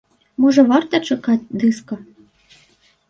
Можа, варта чакаць дыска?